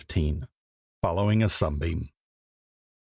FOLLOWING A SUNBEAM.